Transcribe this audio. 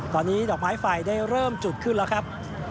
ตอนนี้ดอกไม้ไฟได้เริ่มจุดขึ้นแล้วครับ